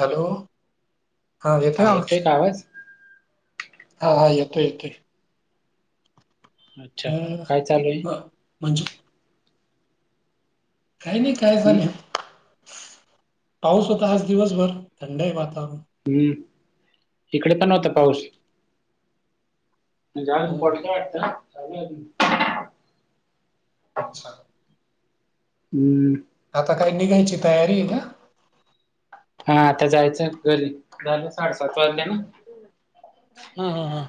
Hello हा येतोय का आवाज हा हा येतोय येतोय अच्छा काय चालू आहे? ह् म्हणजे काही नाही काय हम्म झाले पाऊस होता आज दिवसभर थंड हाय वातावरण. हम्म इकडे पण व्हता पाऊस. म्हणजे आजून हम्म हम्म. पडतोय वाढत णा चालू हाय आजून. अच्छा हम्म आता काये निघायची तयारी हाय का. हा आता जायचं घरी झालं साडेसात वाजल्या ना. हम् हम हम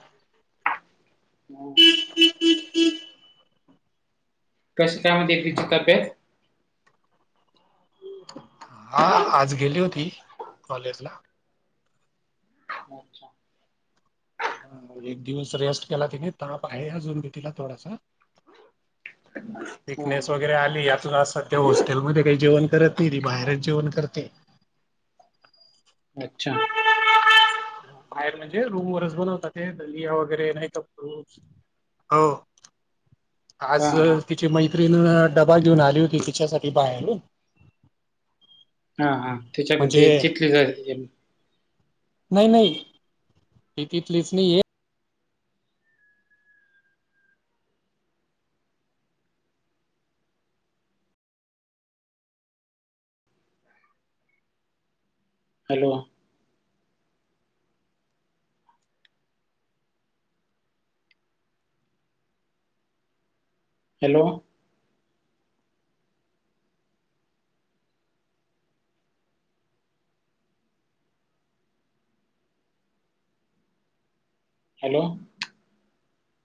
ह कस काय म्हणत्या हा. तिची तब्येत. हा आज गेली होती कॉलेज ला. अच्छा हा एक दिवस रेस्ट केला तिने ताप आहे अजून भी तिला थोडासा. अच्छा हा वीकनेस वगैर, वगरे हा आली आता सध्या हॉस्टेलमध्ये काही जेवण करत नाही ती बाहेरच जेवण करते. अच्छा बाहेर म्हणजे रूम वरच बनवता ते दलिया वगैरे नाही तर फ्रुटस. हो आज हा हा तिचे मैत्रीिण डबा घेऊन आली होती तिच्यासाठी बाहेरून, हा हा त्याच्या ग म्हणजे ते तिथली हाय नाही नाही ती तिथलीच नाहीये. हलवा. Hello hello